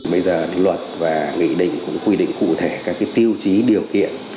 bây giờ luật và nghị định cũng quy định cụ thể các tiêu chí điều kiện